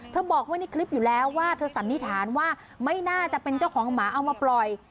บอกไว้ในคลิปอยู่แล้วว่าเธอสันนิษฐานว่าไม่น่าจะเป็นเจ้าของหมาเอามาปล่อย